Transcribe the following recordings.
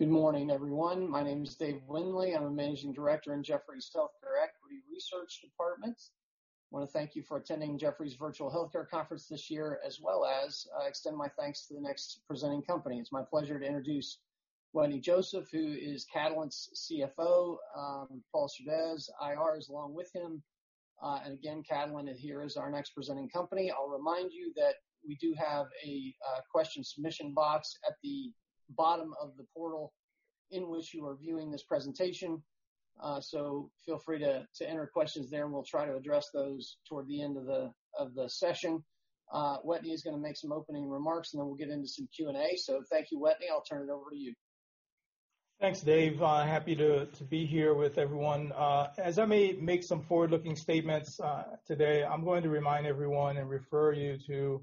Good morning, everyone. My name is Dave Windley. I'm a managing director in Jefferies Healthcare Equity Research Department. I want to thank you for attending Jefferies Virtual Healthcare Conference this year, as well as extend my thanks to the next presenting company. It's my pleasure to introduce Wetteny Joseph, who is Catalent's CFO. Paul Surdez, IR, is along with him. And again, Catalent here is our next presenting company. I'll remind you that we do have a question submission box at the bottom of the portal in which you are viewing this presentation. So feel free to enter questions there, and we'll try to address those toward the end of the session. Wetteny is going to make some opening remarks, and then we'll get into some Q&A. So thank you, Wetteny. I'll turn it over to you. Thanks, Dave. Happy to be here with everyone. As I may make some forward-looking statements today, I'm going to remind everyone and refer you to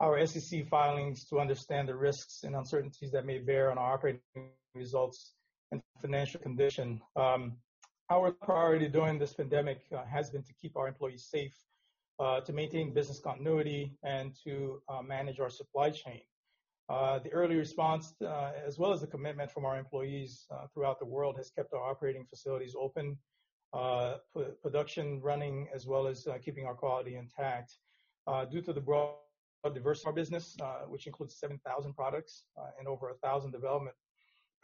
our SEC filings to understand the risks and uncertainties that may bear on our operating results and financial condition. Our priority during this pandemic has been to keep our employees safe, to maintain business continuity, and to manage our supply chain. The early response, as well as the commitment from our employees throughout the world, has kept our operating facilities open, production running, as well as keeping our quality intact. Due to the broad diversity of our business, which includes 7,000 products and over 1,000 development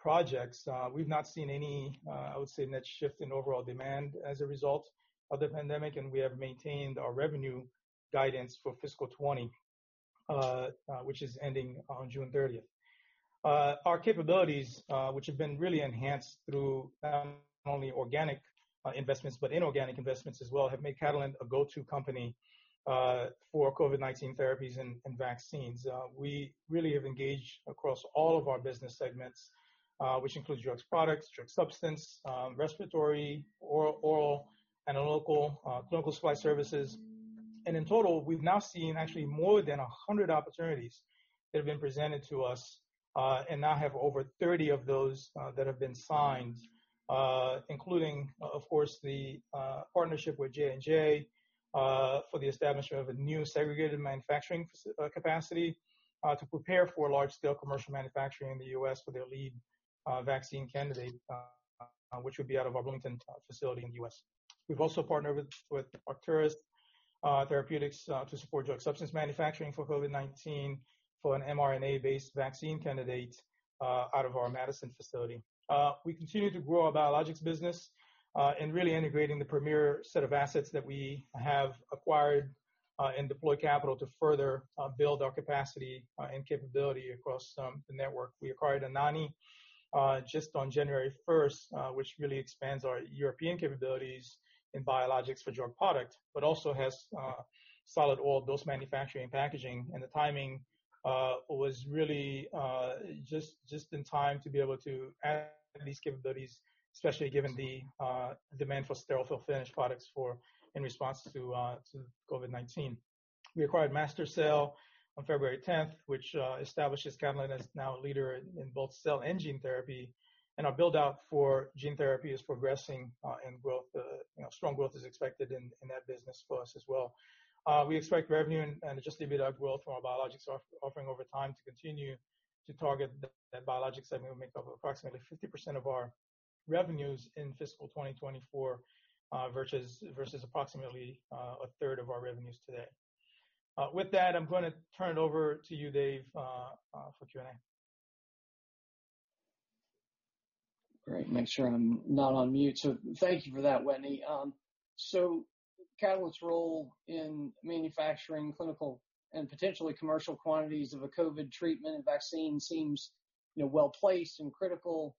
projects, we've not seen any, I would say, net shift in overall demand as a result of the pandemic, and we have maintained our revenue guidance for fiscal 2020, which is ending on June 30. Our capabilities, which have been really enhanced through not only organic investments but inorganic investments as well, have made Catalent a go-to company for COVID-19 therapies and vaccines. We really have engaged across all of our business segments, which includes drug products, drug substance, respiratory, oral, analytical, clinical supply services, and in total, we've now seen actually more than 100 opportunities that have been presented to us, and now have over 30 of those that have been signed, including, of course, the partnership with J&J for the establishment of a new segregated manufacturing capacity to prepare for large-scale commercial manufacturing in the U.S. for their lead vaccine candidate, which would be out of our Bloomington facility in the U.S. We've also partnered with Arcturus Therapeutics to support drug substance manufacturing for COVID-19 for an mRNA-based vaccine candidate out of our Madison facility. We continue to grow our biologics business and really integrate the premier set of assets that we have acquired and deploy capital to further build our capacity and capability across the network. We acquired Anagni just on January 1, which really expands our European capabilities in biologics for drug product, but also has solid oral dose manufacturing and packaging. The timing was really just in time to be able to add these capabilities, especially given the demand for sterile fill-finish products in response to COVID-19. We acquired MaSTherCell on February 10, which established Catalent as now a leader in both cell and gene therapy. Our build-out for gene therapy is progressing, and growth, strong growth, is expected in that business for us as well. We expect revenue and adjusted EBITDA growth from our biologics offering over time to continue to target that biologics segment. We make up approximately 50% of our revenues in fiscal 2024 versus approximately a third of our revenues today. With that, I'm going to turn it over to you, Dave, for Q&A. Great. Make sure I'm not on mute. So thank you for that, Wetteny. So Catalent's role in manufacturing clinical and potentially commercial quantities of a COVID treatment and vaccine seems well-placed and critical.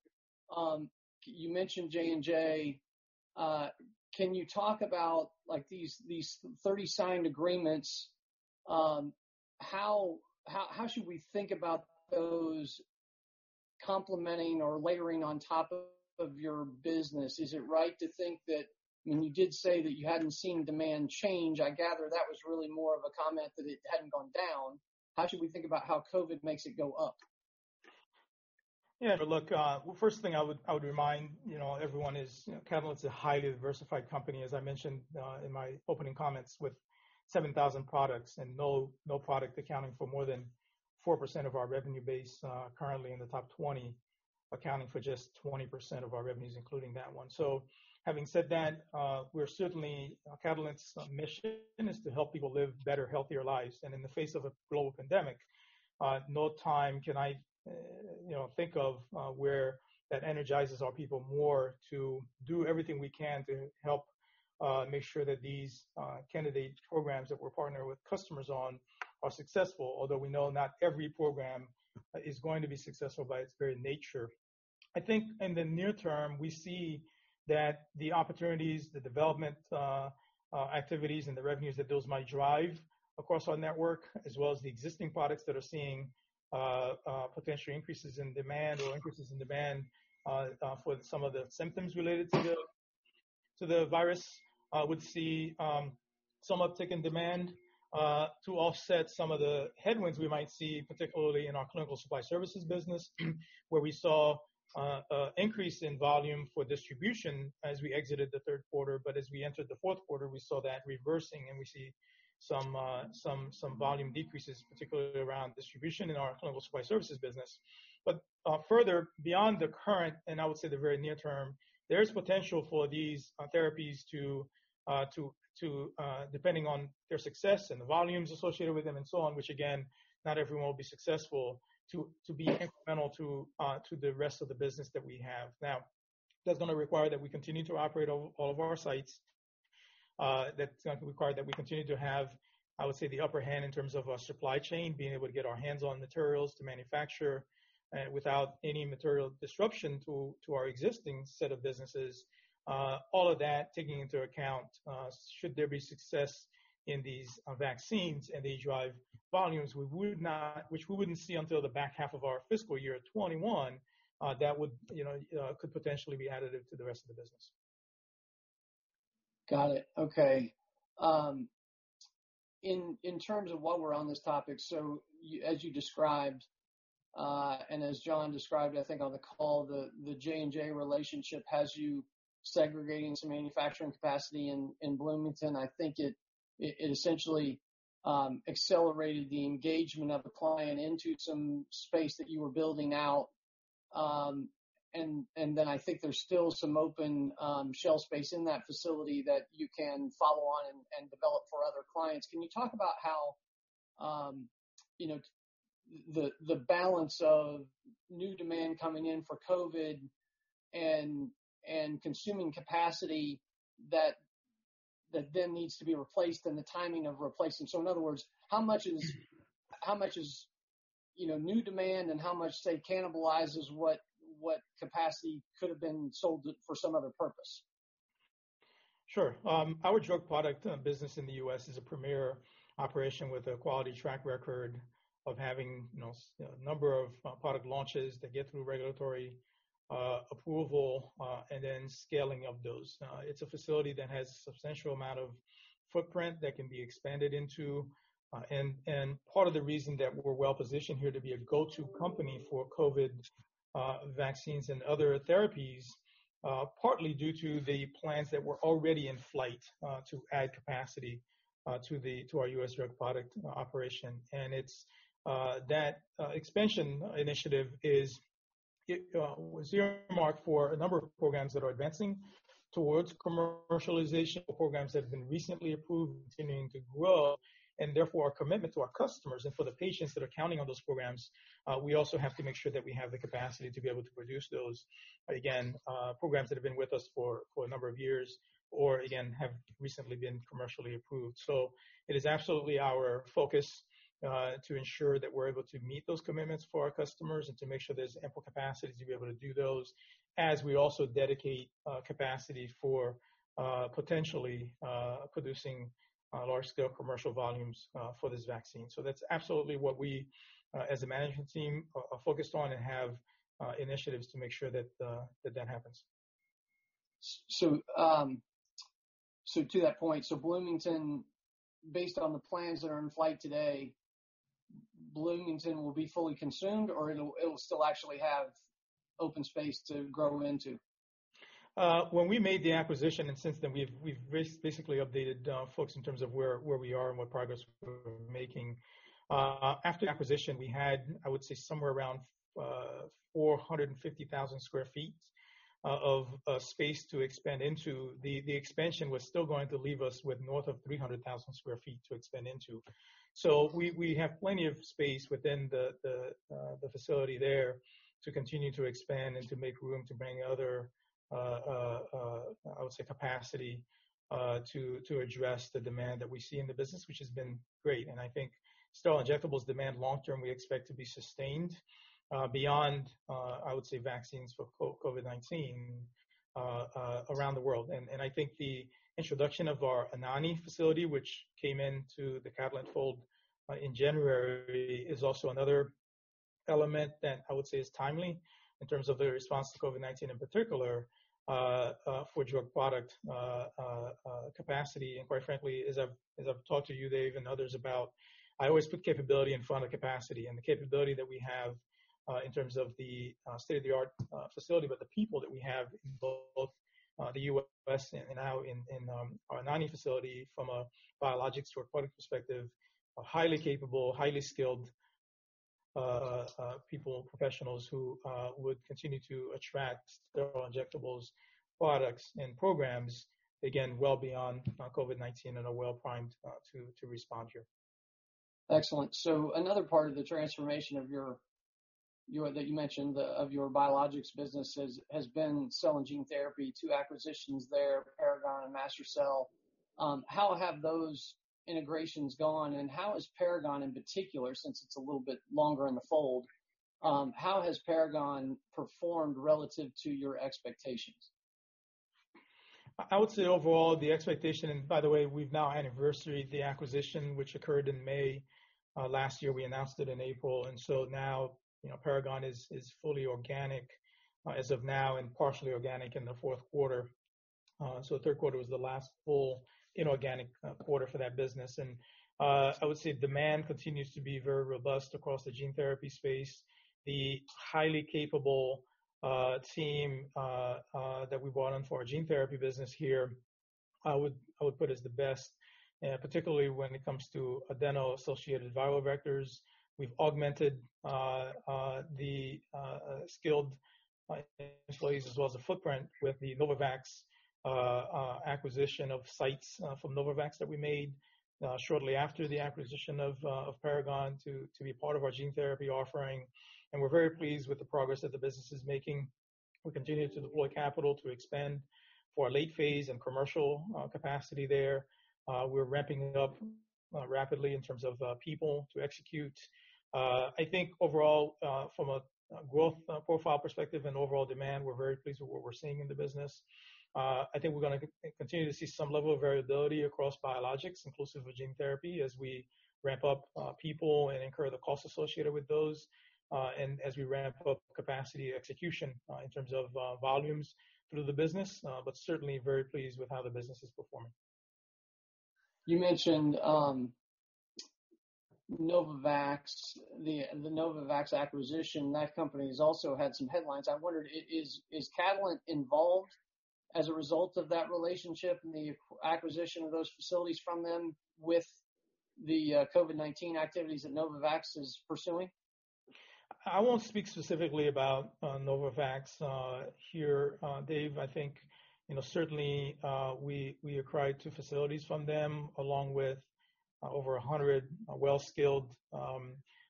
You mentioned J&J. Can you talk about these 30 signed agreements? How should we think about those complementing or layering on top of your business? Is it right to think that when you did say that you hadn't seen demand change, I gather that was really more of a comment that it hadn't gone down? How should we think about how COVID makes it go up? Yeah. Look, first thing I would remind everyone is Catalent's a highly diversified company, as I mentioned in my opening comments, with 7,000 products and no product accounting for more than 4% of our revenue base. Currently, in the top 20, accounting for just 20% of our revenues, including that one, so having said that, we're certainly Catalent's mission is to help people live better, healthier lives, and in the face of a global pandemic, no time can I think of where that energizes our people more to do everything we can to help make sure that these candidate programs that we're partnering with customers on are successful, although we know not every program is going to be successful by its very nature. I think in the near term, we see that the opportunities, the development activities, and the revenues that those might drive across our network, as well as the existing products that are seeing potential increases in demand or increases in demand for some of the symptoms related to the virus, would see some uptick in demand to offset some of the headwinds we might see, particularly in our clinical supply services business, where we saw an increase in volume for distribution as we exited the third quarter, but as we entered the fourth quarter, we saw that reversing, and we see some volume decreases, particularly around distribution in our clinical supply services business. But further beyond the current, and I would say the very near term, there is potential for these therapies to, depending on their success and the volumes associated with them and so on, which, again, not everyone will be successful, to be incremental to the rest of the business that we have. Now, that's going to require that we continue to operate all of our sites. That's going to require that we continue to have, I would say, the upper hand in terms of our supply chain, being able to get our hands-on materials to manufacture without any material disruption to our existing set of businesses. All of that, taking into account, should there be success in these vaccines and they drive volumes, which we wouldn't see until the back half of our fiscal year 2021, that could potentially be additive to the rest of the business. Got it. Okay. In terms of why we're on this topic, so as you described and as John described, I think on the call, the J&J relationship has you segregating some manufacturing capacity in Bloomington. I think it essentially accelerated the engagement of the client into some space that you were building out. And then I think there's still some open shell space in that facility that you can follow on and develop for other clients. Can you talk about how the balance of new demand coming in for COVID and consuming capacity that then needs to be replaced and the timing of replacing? So in other words, how much is new demand and how much, say, cannibalizes what capacity could have been sold for some other purpose? Sure. Our drug product business in the U.S. is a premier operation with a quality track record of having a number of product launches that get through regulatory approval and then scaling of those. It's a facility that has a substantial amount of footprint that can be expanded into. And part of the reason that we're well-positioned here to be a go-to company for COVID vaccines and other therapies is partly due to the plans that were already in flight to add capacity to our U.S. drug product operation. And that expansion initiative is a zero mark for a number of programs that are advancing towards commercialization, programs that have been recently approved, continuing to grow. Therefore, our commitment to our customers and for the patients that are counting on those programs, we also have to make sure that we have the capacity to be able to produce those, again, programs that have been with us for a number of years or, again, have recently been commercially approved. It is absolutely our focus to ensure that we're able to meet those commitments for our customers and to make sure there's ample capacity to be able to do those, as we also dedicate capacity for potentially producing large-scale commercial volumes for this vaccine. That's absolutely what we, as a management team, are focused on and have initiatives to make sure that that happens. To that point, so Bloomington, based on the plans that are in flight today, Bloomington will be fully consumed, or it'll still actually have open space to grow into? When we made the acquisition, and since then, we've basically updated folks in terms of where we are and what progress we're making. After acquisition, we had, I would say, somewhere around 450,000 sq ft of space to expand into. The expansion was still going to leave us with north of 300,000 sq ft to expand into. So we have plenty of space within the facility there to continue to expand and to make room to bring other, I would say, capacity to address the demand that we see in the business, which has been great. And I think sterile injectables' demand long-term, we expect to be sustained beyond, I would say, vaccines for COVID-19 around the world. I think the introduction of our Anagni facility, which came into the Catalent fold in January, is also another element that I would say is timely in terms of the response to COVID-19 in particular for drug product capacity. Quite frankly, as I've talked to you, Dave, and others about, I always put capability in front of capacity. The capability that we have in terms of the state-of-the-art facility but the people that we have in both the U.S. and now in our Anagni facility from a biologics drug product perspective, are highly capable, highly skilled people, professionals who would continue to attract sterile injectables products and programs, again, well beyond COVID-19 and are well primed to respond here. Excellent. So another part of the transformation that you mentioned of your biologics business has been cell and gene therapy through acquisitions there, Paragon and MaSTherCell. How have those integrations gone? And how has Paragon in particular, since it's a little bit longer in the fold, how has Paragon performed relative to your expectations? I would say overall, the expectation, and by the way, we've now annualized the acquisition, which occurred in May last year. We announced it in April, and so now Paragon is fully organic as of now and partially organic in the fourth quarter. So the third quarter was the last full inorganic quarter for that business, and I would say demand continues to be very robust across the gene therapy space. The highly capable team that we brought on for our gene therapy business here, I would put as the best, particularly when it comes to adeno-associated viral vectors. We've augmented the skilled employees as well as the footprint with the Novavax acquisition of sites from Novavax that we made shortly after the acquisition of Paragon to be part of our gene therapy offering, and we're very pleased with the progress that the business is making. We continue to deploy capital to expand for our late phase and commercial capacity there. We're ramping up rapidly in terms of people to execute. I think overall, from a growth profile perspective and overall demand, we're very pleased with what we're seeing in the business. I think we're going to continue to see some level of variability across biologics, inclusive of gene therapy, as we ramp up people and incur the cost associated with those, and as we ramp up capacity execution in terms of volumes through the business. But certainly very pleased with how the business is performing. You mentioned Novavax, the Novavax acquisition. That company has also had some headlines. I wondered, is Catalent involved as a result of that relationship and the acquisition of those facilities from them with the COVID-19 activities that Novavax is pursuing? I won't speak specifically about Novavax here, Dave. I think certainly we acquired two facilities from them along with over 100 well-skilled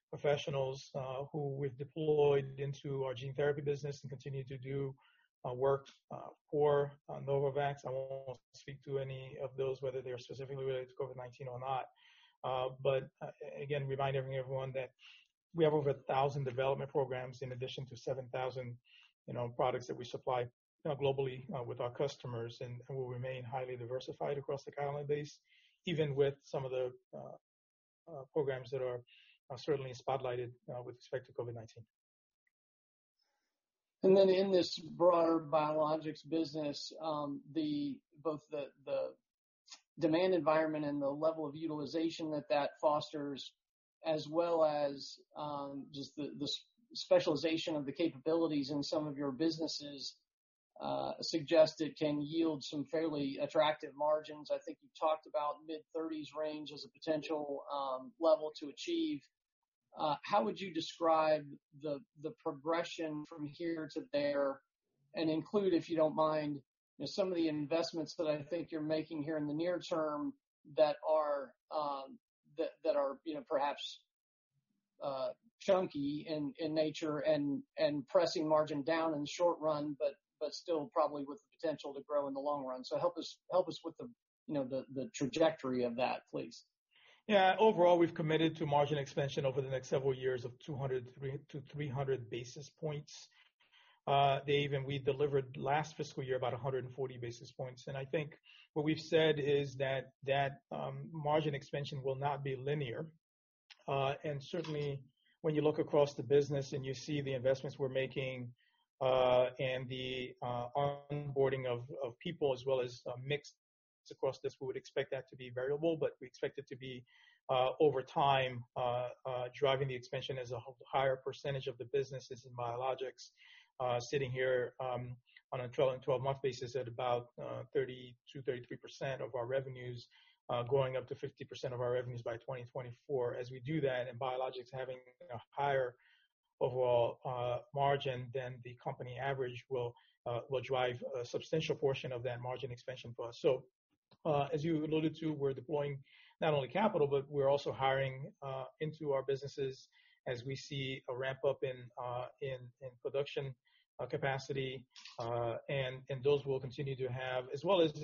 professionals who we've deployed into our gene therapy business and continue to do work for Novavax. I won't speak to any of those, whether they're specifically related to COVID-19 or not. But again, reminding everyone that we have over 1,000 development programs in addition to 7,000 products that we supply globally with our customers and will remain highly diversified across the Catalent base, even with some of the programs that are certainly spotlighted with respect to COVID-19. And then in this broader biologics business, both the demand environment and the level of utilization that that fosters, as well as just the specialization of the capabilities in some of your businesses, suggest it can yield some fairly attractive margins. I think you talked about mid-30s range as a potential level to achieve. How would you describe the progression from here to there? And include, if you don't mind, some of the investments that I think you're making here in the near term that are perhaps chunky in nature and pressing margin down in the short run, but still probably with the potential to grow in the long run. So help us with the trajectory of that, please. Yeah. Overall, we've committed to margin expansion over the next several years of 200-300 basis points, Dave. And we delivered last fiscal year about 140 basis points. And I think what we've said is that that margin expansion will not be linear. And certainly, when you look across the business and you see the investments we're making and the onboarding of people as well as mixed across this, we would expect that to be variable. But we expect it to be, over time, driving the expansion as a higher percentage of the businesses in biologics sitting here on a 12-month basis at about 30%-33% of our revenues, going up to 50% of our revenues by 2024. As we do that and biologics having a higher overall margin than the company average, will drive a substantial portion of that margin expansion for us. So as you alluded to, we're deploying not only capital, but we're also hiring into our businesses as we see a ramp-up in production capacity. And those will continue to have, as well as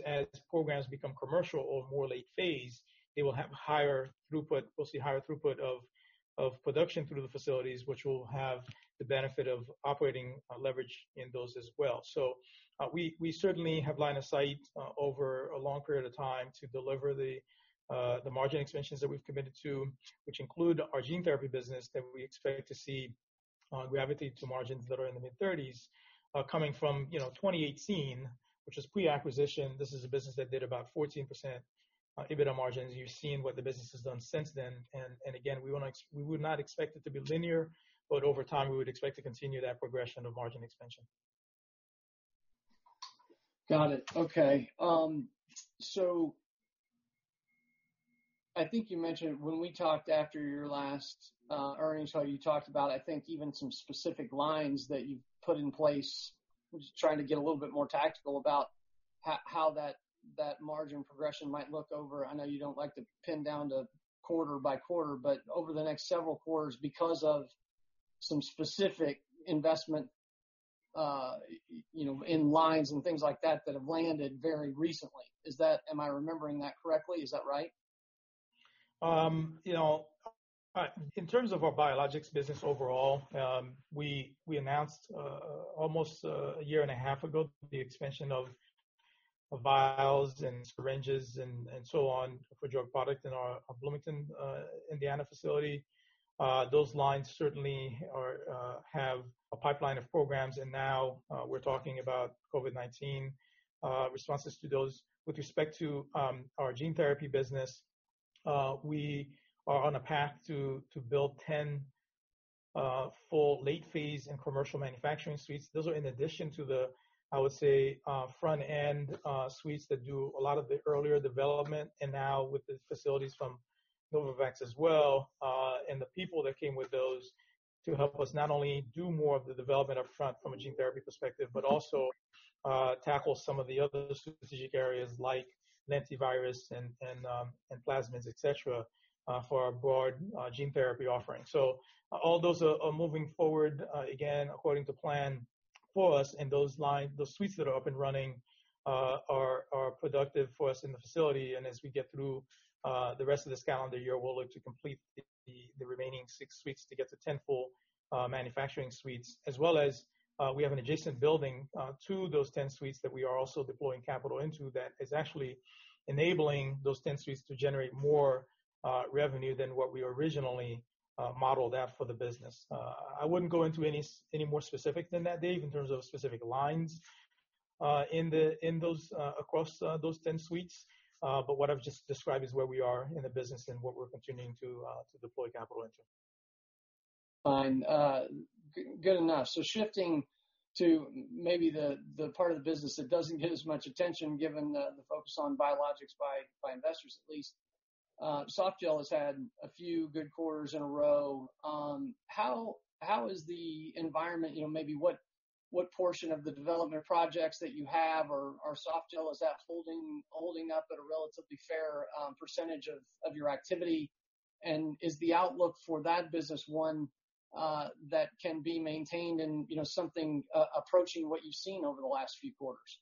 programs become commercial or more late phase, they will have higher throughput. We'll see higher throughput of production through the facilities, which will have the benefit of operating leverage in those as well. So we certainly have lined up sites over a long period of time to deliver the margin expansions that we've committed to, which include our gene therapy business that we expect to see gravitate to margins that are in the mid-30s coming from 2018, which was pre-acquisition. This is a business that did about 14% EBITDA margins. You've seen what the business has done since then. Again, we would not expect it to be linear, but over time, we would expect to continue that progression of margin expansion. Got it. Okay. So I think you mentioned when we talked after your last earnings call, you talked about, I think, even some specific lines that you've put in place, just trying to get a little bit more tactical about how that margin progression might look over. I know you don't like to pin down to quarter by quarter, but over the next several quarters, because of some specific investment in lines and things like that that have landed very recently. Am I remembering that correctly? Is that right? In terms of our biologics business overall, we announced almost a year and a half ago the expansion of vials and syringes and so on for drug product in our Bloomington, Indiana facility. Those lines certainly have a pipeline of programs, and now we're talking about COVID-19 responses to those. With respect to our gene therapy business, we are on a path to build 10 full late phase and commercial manufacturing suites. Those are in addition to the, I would say, front-end suites that do a lot of the earlier development, and now with the facilities from Novavax as well and the people that came with those to help us not only do more of the development upfront from a gene therapy perspective, but also tackle some of the other strategic areas like antivirals and plasmids, et cetera, for our broad gene therapy offering. So all those are moving forward, again, according to plan for us. And those suites that are up and running are productive for us in the facility. And as we get through the rest of this calendar year, we'll look to complete the remaining six suites to get to 10 full manufacturing suites, as well as we have an adjacent building to those 10 suites that we are also deploying capital into that is actually enabling those 10 suites to generate more revenue than what we originally modeled out for the business. I wouldn't go into any more specific than that, Dave, in terms of specific lines across those 10 suites. But what I've just described is where we are in the business and what we're continuing to deploy capital into. Fine. Good enough. So shifting to maybe the part of the business that doesn't get as much attention given the focus on biologics by investors, at least. Softgel has had a few good quarters in a row. How is the environment, maybe what portion of the development projects that you have are Softgel? Is that holding up at a relatively fair percentage of your activity? And is the outlook for that business one that can be maintained and something approaching what you've seen over the last few quarters?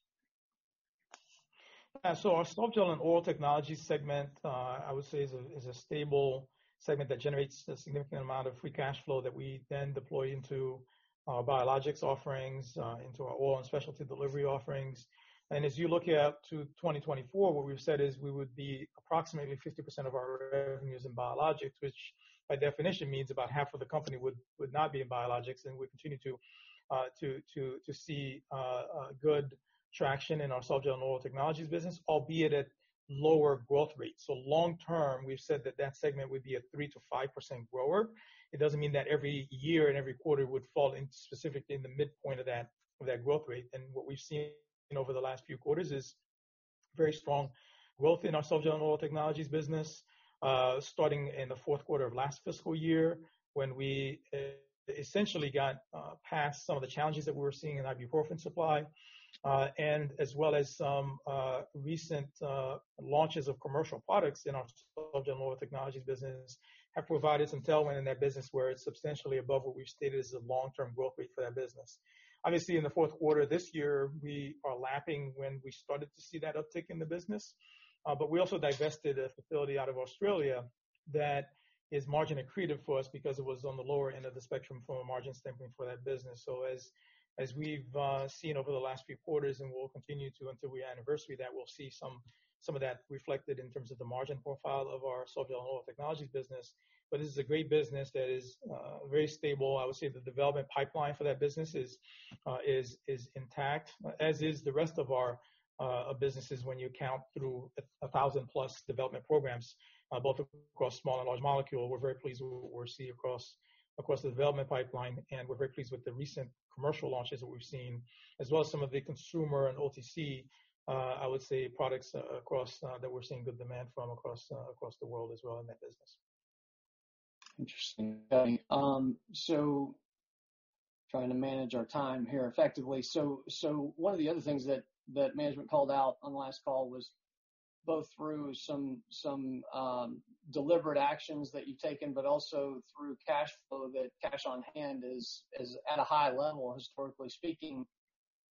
Yeah. So our Softgel and Oral Technology segment, I would say, is a stable segment that generates a significant amount of free cash flow that we then deploy into our biologics offerings, into our oral and specialty delivery offerings. And as you look at to 2024, what we've said is we would be approximately 50% of our revenues in biologics, which by definition means about half of the company would not be in biologics. And we continue to see good traction in our Softgel and Oral Technologies business, albeit at lower growth rates. So long term, we've said that that segment would be a 3%-5% grower. It doesn't mean that every year and every quarter would fall specifically in the midpoint of that growth rate. And what we've seen over the last few quarters is very strong growth in our Softgel and Oral Technologies business, starting in the fourth quarter of last fiscal year when we essentially got past some of the challenges that we were seeing in ibuprofen supply. And as well as some recent launches of commercial products in our Softgel and Oral Technologies business have provided some tailwind in that business where it's substantially above what we've stated as a long-term growth rate for that business. Obviously, in the fourth quarter this year, we are lapping when we started to see that uptick in the business. But we also divested a facility out of Australia that is margin accretive for us because it was on the lower end of the spectrum from a margin standpoint for that business. So as we've seen over the last few quarters, and we'll continue to until we anniversary that we'll see some of that reflected in terms of the margin profile of our Softgel and Oral Technologies business. But this is a great business that is very stable. I would say the development pipeline for that business is intact, as is the rest of our businesses when you count through 1,000-plus development programs, both across small and large molecule. We're very pleased with what we're seeing across the development pipeline. And we're very pleased with the recent commercial launches that we've seen, as well as some of the consumer and OTC, I would say, products that we're seeing good demand from across the world as well in that business. Interesting. So trying to manage our time here effectively. So one of the other things that management called out on the last call was both through some deliberate actions that you've taken, but also through cash flow that cash on hand is at a high level, historically speaking.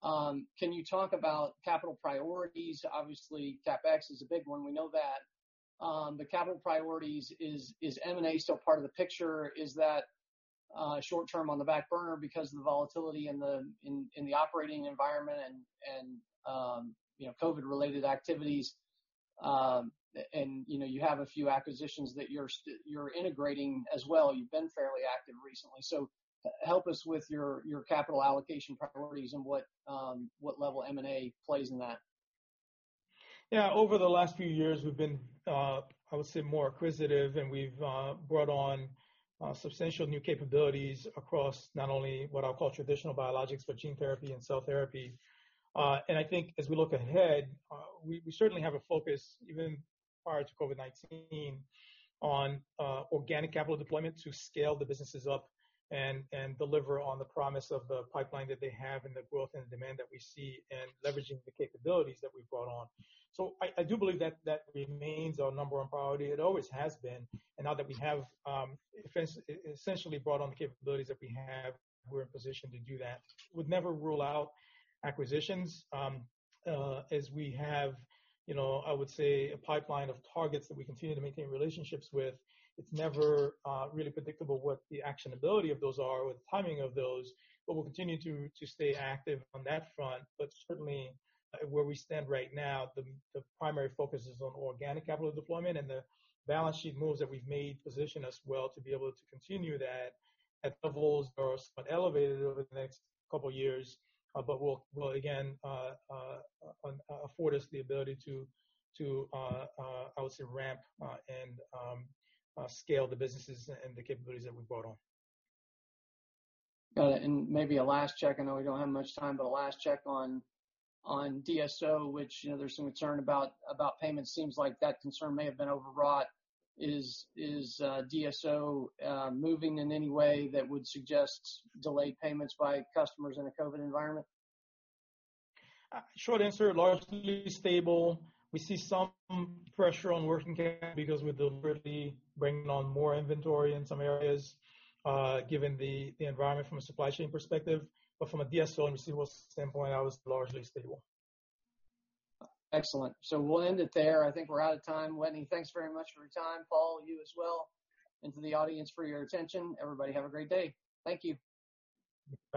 Can you talk about capital priorities? Obviously, CapEx is a big one. We know that. But capital priorities, is M&A still part of the picture? Is that short term on the back burner because of the volatility in the operating environment and COVID-related activities? And you have a few acquisitions that you're integrating as well. You've been fairly active recently. So help us with your capital allocation priorities and what level M&A plays in that. Yeah. Over the last few years, we've been, I would say, more acquisitive, and we've brought on substantial new capabilities across not only what I'll call traditional biologics, but gene therapy and cell therapy. And I think as we look ahead, we certainly have a focus, even prior to COVID-19, on organic capital deployment to scale the businesses up and deliver on the promise of the pipeline that they have and the growth and the demand that we see and leveraging the capabilities that we've brought on. So I do believe that remains our number one priority. It always has been. And now that we have essentially brought on the capabilities that we have, we're in position to do that. Would never rule out acquisitions as we have, I would say, a pipeline of targets that we continue to maintain relationships with. It's never really predictable what the actionability of those are or the timing of those. But we'll continue to stay active on that front. But certainly, where we stand right now, the primary focus is on organic capital deployment. And the balance sheet moves that we've made position us well to be able to continue that at levels that are somewhat elevated over the next couple of years. But will again afford us the ability to, I would say, ramp and scale the businesses and the capabilities that we've brought on. Got it. And maybe a last check. I know we don't have much time, but a last check on DSO, which there's some concern about payments. Seems like that concern may have been overwrought. Is DSO moving in any way that would suggest delayed payments by customers in a COVID environment? Short answer, largely stable. We see some pressure on working capital because we're deliberately bringing on more inventory in some areas given the environment from a supply chain perspective. But from a DSO and receivables standpoint, it is largely stable. Excellent. So we'll end it there. I think we're out of time. Wetteny, thanks very much for your time. Paul, you as well. And to the audience for your attention. Everybody have a great day. Thank you.